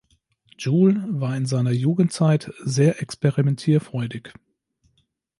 Joule war in seiner Jugendzeit sehr experimentierfreudig.